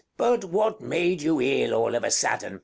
] But what made you ill, all of a sudden?